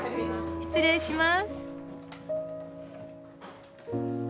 失礼します。